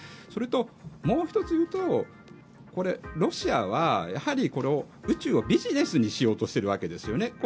それともう１つ言うとロシアはやはり宇宙をビジネスにしようとしているわけですよね。